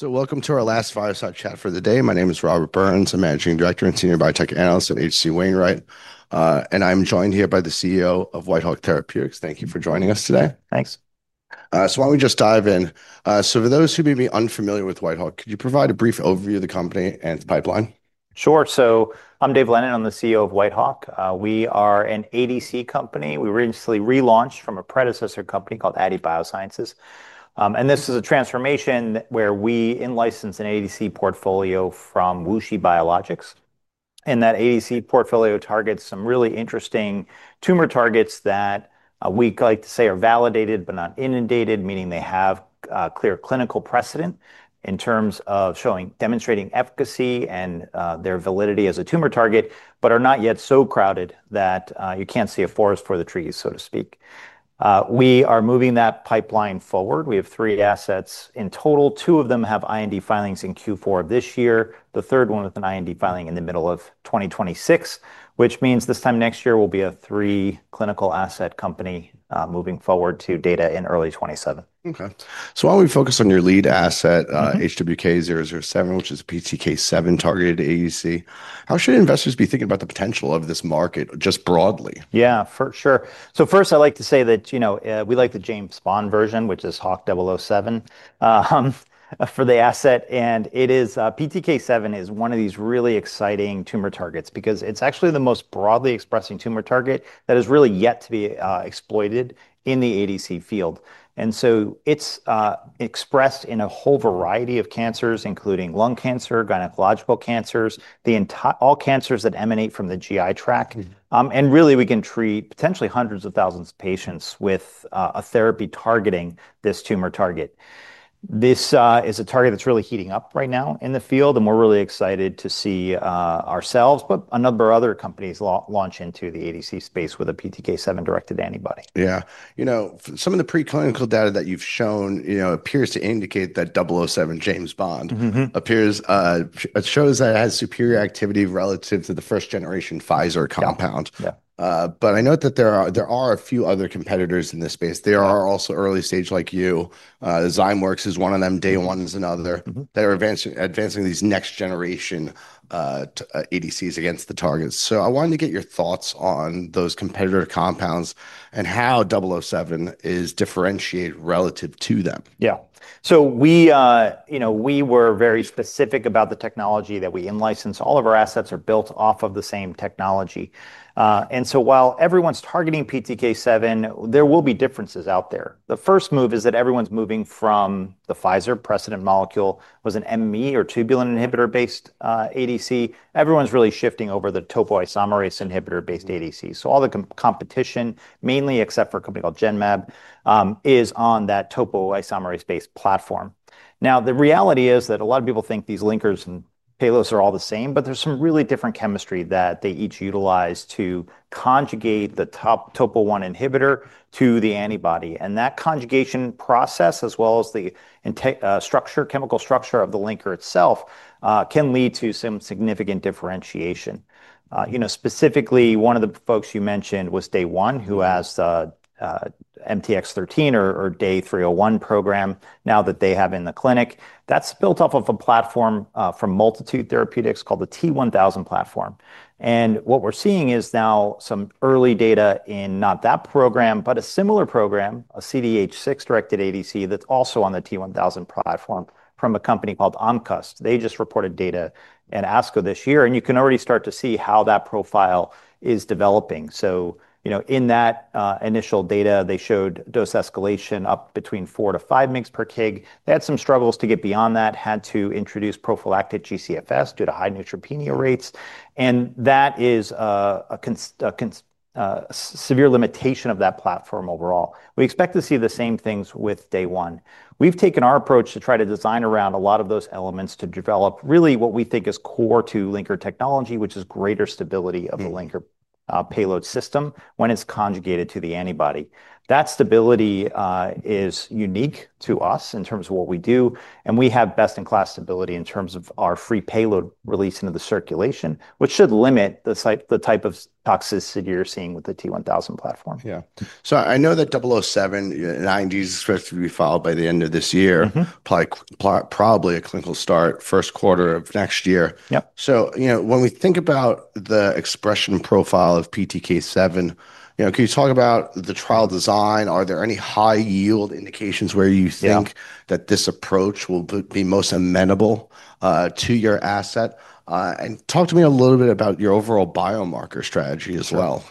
Welcome to our last fireside chat for the day. My name is Robert Burns, I'm Managing Director and Senior Biotech Analyst at H.C. Wainwright. I'm joined here by the CEO of Whitehawk Therapeutics. Thank you for joining us today. Thanks. Why don't we just dive in? For those who may be unfamiliar with Whitehawk, could you provide a brief overview of the company and its pipeline? Sure. I'm Dave Lennon, I'm the CEO of Whitehawk Therapeutics. We are an ADC company. We recently relaunched from a predecessor company called Addy Biosciences. This is a transformation where we en-licensed an ADC portfolio from WuXi Biologics. That ADC portfolio targets some really interesting tumor targets that we like to say are validated but not inundated, meaning they have a clear clinical precedent in terms of demonstrating efficacy and their validity as a tumor target, but are not yet so crowded that you can't see a forest for the trees, so to speak. We are moving that pipeline forward. We have three assets in total. Two of them have IND filings in Q4 of this year. The third one with an IND filing in the middle of 2026, which means this time next year we'll be a three-clinical asset company moving forward to data in early 2027. Okay. Why don't we focus on your lead asset, HWK-007, which is a PCK7-targeted ADC? How should investors be thinking about the potential of this market just broadly? Yeah, for sure. First, I like to say that, you know, we like the James Bond version, which is HWK-007, for the asset. It is, PCK7 is one of these really exciting tumor targets because it's actually the most broadly expressing tumor target that has really yet to be exploited in the ADC field. It's expressed in a whole variety of cancers, including lung cancer, gynecological cancers, all cancers that emanate from the GI tract. We can treat potentially hundreds of thousands of patients with a therapy targeting this tumor target. This is a target that's really heating up right now in the field, and we're really excited to see ourselves, but a number of other companies launch into the ADC space with a PCK7 directed antibody. Yeah. You know, some of the preclinical data that you've shown, you know, appears to indicate that HWK-007 shows that it has superior activity relative to the first-generation Pfizer compound. Yeah. I note that there are a few other competitors in this space. There are also early stage like you. Xencor is one of them. Day One is another. They're advancing these next-generation ADCs against the targets. I wanted to get your thoughts on those competitor compounds and how HWK-007 is differentiated relative to them. Yeah. We were very specific about the technology that we en-license. All of our assets are built off of the same technology. While everyone's targeting PCK7, there will be differences out there. The first move is that everyone's moving from the Pfizer precedent molecule, which was an ME or tubulin inhibitor-based ADC. Everyone's really shifting over to the topoisomerase inhibitor-based ADC. All the competition, mainly except for a company called Genmab, is on that topoisomerase-based platform. The reality is that a lot of people think these linkers and payloads are all the same, but there's some really different chemistry that they each utilize to conjugate the topo-1 inhibitor to the antibody. That conjugation process, as well as the chemical structure of the linker itself, can lead to some significant differentiation. Specifically, one of the folks you mentioned was Day One, who has the MTX13 or Day 301 program now that they have in the clinic. That's built off of a platform from Multitude Therapeutics called the T1000 platform. What we're seeing is now some early data in not that program, but a similar program, a CDH6-directed ADC that's also on the T1000 platform from a company called Omkust. They just reported data in ASCO this year, and you can already start to see how that profile is developing. In that initial data, they showed dose escalation up between 4 to 5 mg/kg. They had some struggles to get beyond that and had to introduce prophylactic GCSF due to high neutropenia rates. That is a severe limitation of that platform overall. We expect to see the same things with Day One. We've taken our approach to try to design around a lot of those elements to develop really what we think is core to linker technology, which is greater stability of the linker-payload system when it's conjugated to the antibody. That stability is unique to us in terms of what we do. We have best-in-class stability in terms of our free payload release into the circulation, which should limit the type of toxicity you're seeing with the T1000 platform. Yeah. I know that HWK-007, the IND is supposed to be filed by the end of this year, probably a clinical start first quarter of next year. Yep. When we think about the expression profile of PCK7, can you talk about the trial design? Are there any high-yield indications where you think that this approach will be most amenable to your asset? Talk to me a little bit about your overall biomarker strategy as well.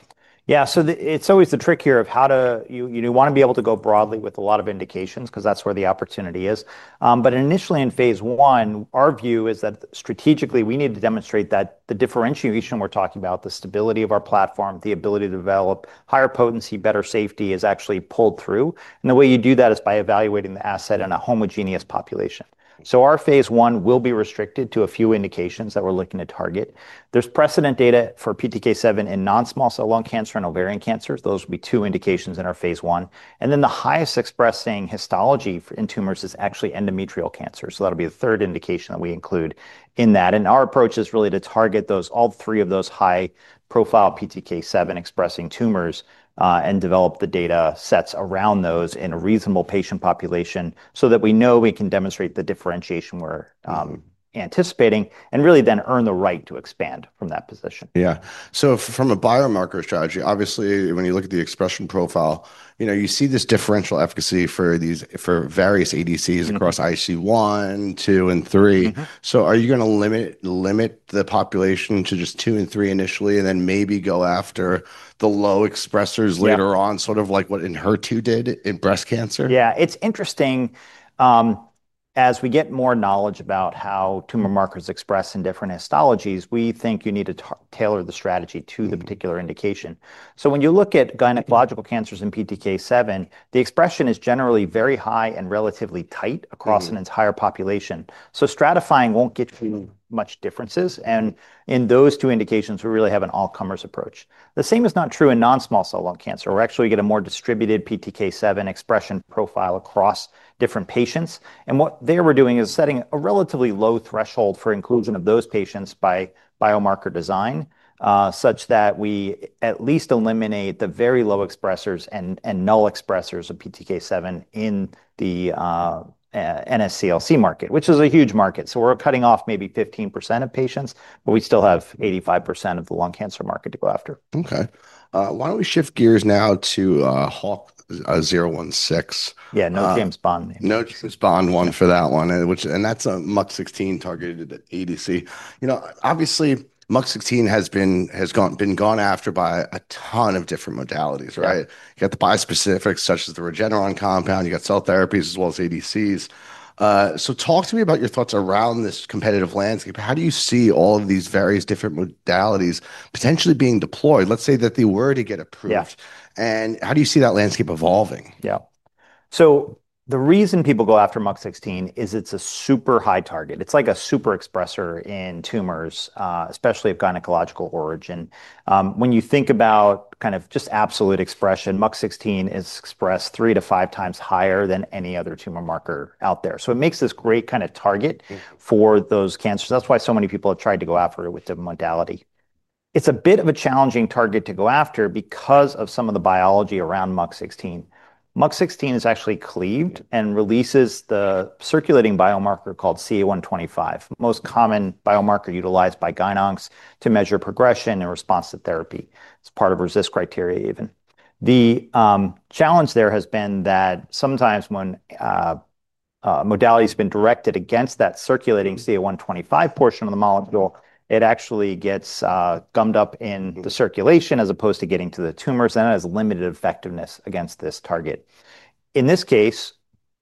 Yeah, it's always the trick here of how to, you want to be able to go broadly with a lot of indications because that's where the opportunity is. Initially in phase one, our view is that strategically we need to demonstrate that the differentiation we're talking about, the stability of our platform, the ability to develop higher potency, better safety is actually pulled through. The way you do that is by evaluating the asset in a homogeneous population. Our phase one will be restricted to a few indications that we're looking to target. There's precedent data for PCK7 in non-small cell lung cancer and ovarian cancers. Those will be two indications in our phase one. The highest expressing histology in tumors is actually endometrial cancer. That'll be the third indication that we include in that. Our approach is really to target all three of those high-profile PCK7 expressing tumors and develop the data sets around those in a reasonable patient population so that we know we can demonstrate the differentiation we're anticipating and really then earn the right to expand from that position. Yeah. From a biomarker strategy, obviously when you look at the expression profile, you see this differential efficacy for these various ADCs across IC1, 2, and 3. Are you going to limit the population to just 2 and 3 initially and then maybe go after the low expressors later on, sort of like what INHER2 did in breast cancer? Yeah, it's interesting. As we get more knowledge about how tumor markers express in different histologies, we think you need to tailor the strategy to the particular indication. When you look at gynecological cancers and PCK7, the expression is generally very high and relatively tight across an entire population. Stratifying won't get you much differences. In those two indications, we really have an all-comers approach. The same is not true in non-small cell lung cancer. We're actually going to get a more distributed PCK7 expression profile across different patients. What we're doing is setting a relatively low threshold for inclusion of those patients by biomarker design, such that we at least eliminate the very low expressors and null expressors of PCK7 in the NSCLC market, which is a huge market. We're cutting off maybe 15% of patients, but we still have 85% of the lung cancer market to go after. Okay. Why don't we shift gears now to HWK-016? Yeah, no James Bond name. No James Bond one for that one. And that's a MUC16 targeted ADC. You know, obviously MUC16 has been gone after by a ton of different modalities, right? You got the bispecifics such as the Regeneron compound. You got cell therapies as well as ADCs. Talk to me about your thoughts around this competitive landscape. How do you see all of these various different modalities potentially being deployed? Let's say that they were to get approved. How do you see that landscape evolving? Yeah. The reason people go after MUC16 is it's a super high target. It's like a super expressor in tumors, especially of gynecological origin. When you think about just absolute expression, MUC16 is expressed three to five times higher than any other tumor marker out there. It makes this great kind of target for those cancers. That's why so many people have tried to go after it with the modality. It's a bit of a challenging target to go after because of some of the biology around MUC16. MUC16 is actually cleaved and releases the circulating biomarker called CA-125, the most common biomarker utilized by gyn-oncs to measure progression in response to therapy. It's part of RECIST criteria even. The challenge there has been that sometimes when a modality has been directed against that circulating CA-125 portion of the molecule, it actually gets gummed up in the circulation as opposed to getting to the tumors, and it has limited effectiveness against this target. In this case,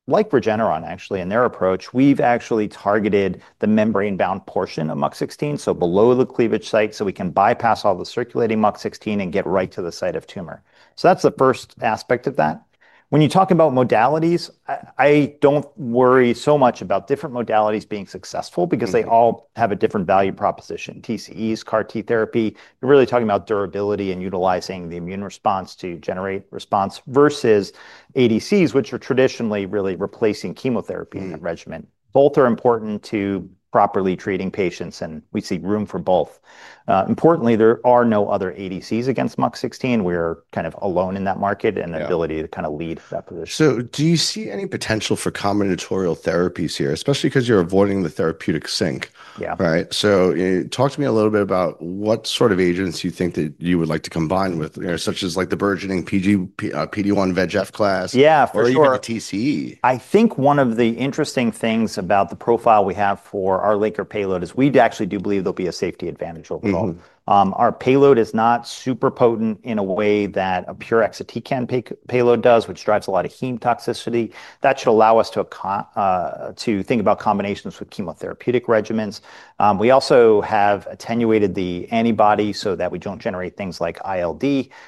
like Regeneron actually, in their approach, we've actually targeted the membrane-bound portion of MUC16, so below the cleavage site, so we can bypass all the circulating MUC16 and get right to the site of tumor. That's the first aspect of that. When you talk about modalities, I don't worry so much about different modalities being successful because they all have a different value proposition. TCEs, CAR-T therapy, you're really talking about durability and utilizing the immune response to generate response versus ADCs, which are traditionally really replacing chemotherapy regimen. Both are important to properly treating patients, and we see room for both. Importantly, there are no other ADCs against MUC16. We are kind of alone in that market and the ability to kind of lead for that position. Do you see any potential for combinatorial therapies here, especially because you're avoiding the therapeutic sink? Yeah. Right. Talk to me a little bit about what sort of agents you think that you would like to combine with, such as the burgeoning PD-1 VEGF class. Yeah, for sure. Or even the T1000. I think one of the interesting things about the profile we have for our linker-payload is we actually do believe there'll be a safety advantage overall. Our payload is not super potent in a way that a pure exatecan payload does, which drives a lot of heme toxicity. That should allow us to think about combinations with chemotherapeutic regimens. We also have attenuated the antibody so that we don't generate things like ILD,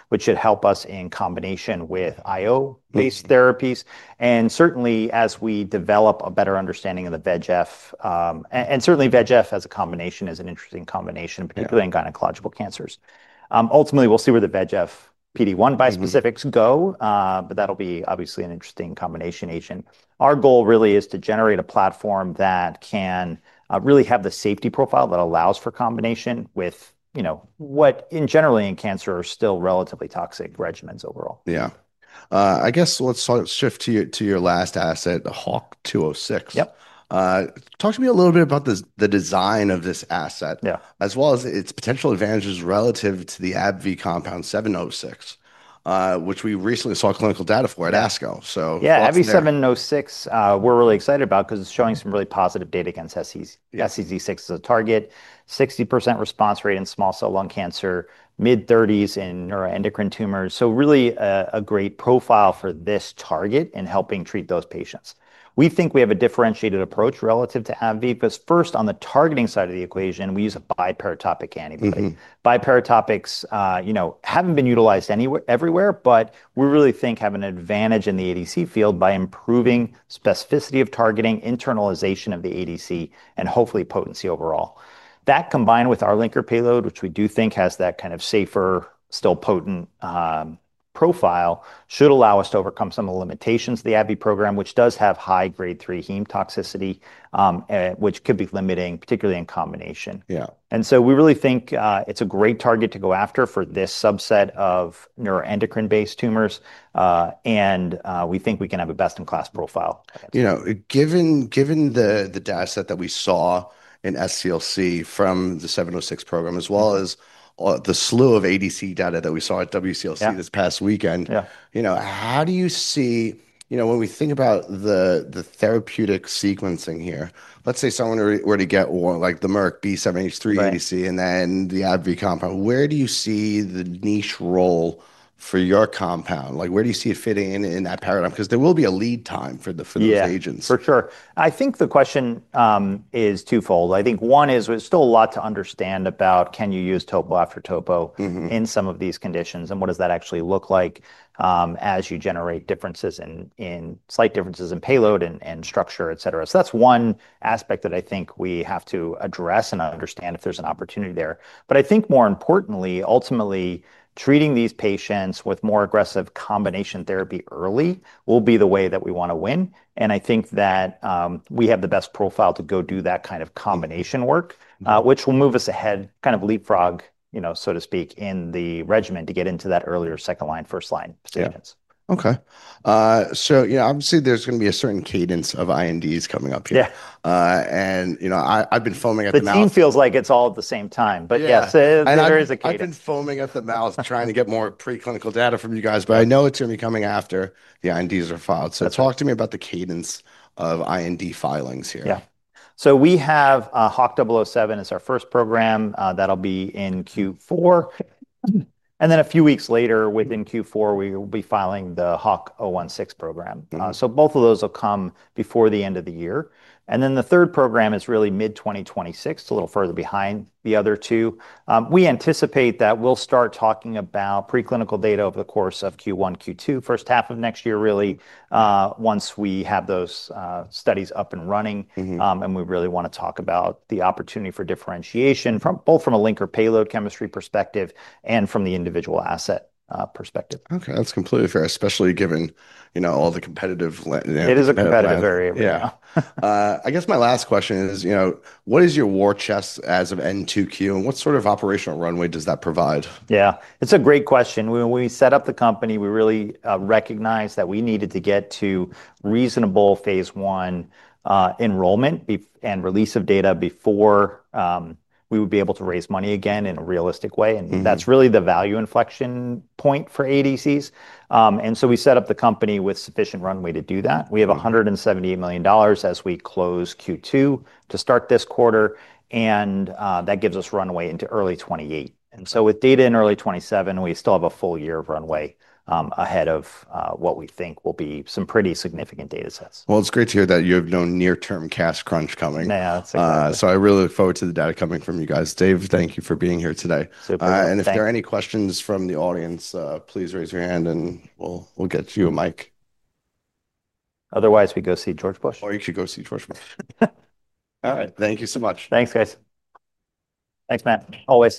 which should help us in combination with IO-based therapies. Certainly, as we develop a better understanding of the VEGF, and certainly VEGF as a combination is an interesting combination, particularly in gynecological cancers. Ultimately, we'll see where the VEGF PD-1 bispecifics go, but that'll be obviously an interesting combination agent. Our goal really is to generate a platform that can really have the safety profile that allows for combination with, you know, what generally in cancer are still relatively toxic regimens overall. Yeah. I guess let's shift to your last asset, the HWK-206. Yep. Talk to me a little bit about the design of this asset, as well as its potential advantages relative to the AbbVie compound 706, which we recently saw clinical data for at ASCO. Yeah, AbbVie 706, we're really excited about because it's showing some really positive data against SCD6 as a target. 60% response rate in small cell lung cancer, mid-30% in neuroendocrine tumors. Really a great profile for this target in helping treat those patients. We think we have a differentiated approach relative to AbbVie because first on the targeting side of the equation, we use a biparatopic antibody. Biparatopics, you know, haven't been utilized everywhere, but we really think have an advantage in the ADC field by improving specificity of targeting, internalization of the ADC, and hopefully potency overall. That combined with our linker-payload, which we do think has that kind of safer, still potent profile, should allow us to overcome some of the limitations of the AbbVie program, which does have high grade 3 heme toxicity, which could be limiting, particularly in combination. Yeah. We really think it's a great target to go after for this subset of neuroendocrine-based tumors, and we think we can have a best-in-class profile. Given the data set that we saw in SCLC from the 706 program, as well as the slew of ADC data that we saw at WCLC this past weekend, how do you see, when we think about the therapeutic sequencing here, let's say someone were to get the Merck B783 ADC and then the AbbVie compound, where do you see the niche role for your compound? Where do you see it fitting in in that paradigm? There will be a lead time for those agents. Yeah, for sure. I think the question is twofold. I think one is there's still a lot to understand about can you use topo after topo in some of these conditions and what does that actually look like as you generate slight differences in payload and structure, et cetera. That's one aspect that I think we have to address and understand if there's an opportunity there. More importantly, ultimately treating these patients with more aggressive combination therapy early will be the way that we want to win. I think that we have the best profile to go do that kind of combination work, which will move us ahead, kind of leapfrog, you know, so to speak, in the regimen to get into that earlier second line, first line statements. Okay, you know, obviously there's going to be a certain cadence of INDs coming up here. Yeah. I've been foaming at the mouth. The team feels like it's all at the same time, but yes, there is a cadence. I've been foaming at the mouth trying to get more preclinical data from you guys, but I know it's going to be coming after the INDs are filed. Talk to me about the cadence of IND filings here. Yeah. We have HWK-007 as our first program that'll be in Q4, and then a few weeks later, within Q4, we will be filing the HWK-016 program. Both of those will come before the end of the year. The third program is really mid-2026, a little further behind the other two. We anticipate that we'll start talking about preclinical data over the course of Q1, Q2, first half of next year, really, once we have those studies up and running. We really want to talk about the opportunity for differentiation both from a linker-payload chemistry perspective and from the individual asset perspective. Okay, that's completely fair, especially given, you know, all the competitive. It is a competitive area. I guess my last question is, you know, what is your war chest as of Q2 and what sort of operational runway does that provide? Yeah, it's a great question. When we set up the company, we really recognized that we needed to get to reasonable phase one enrollment and release of data before we would be able to raise money again in a realistic way. That's really the value inflection point for ADCs. We set up the company with sufficient runway to do that. We have $178 million as we close Q2 to start this quarter. That gives us runway into early 2028. With data in early 2027, we still have a full year of runway ahead of what we think will be some pretty significant data sets. It is great to hear that you have no near-term cash crunch coming. Yeah, that's it. I really look forward to the data coming from you guys. Dave, thank you for being here today. If there are any questions from the audience, please raise your hand and we'll get you a mic. Otherwise, we go see George Bush. All right, thank you so much. Thanks, guys. Thanks, Matt. Always.